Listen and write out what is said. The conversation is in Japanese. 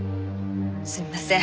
すみません